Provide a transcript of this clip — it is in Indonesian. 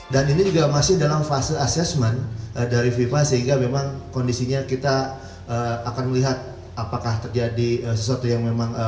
dan ini juga masih dalam fase asesmen dari viva sehingga memang kondisinya kita akan melihat apakah terjadi sesuatu yang memang